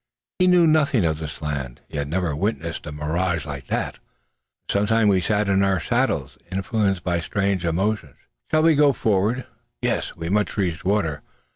He knew nothing of this land. He had never witnessed a mirage like that. For some time we sat in our saddles, influenced by strange emotions. Shall we go forward? Yes! We must reach water.